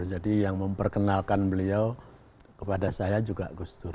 jadi yang memperkenalkan beliau kepada saya juga gustur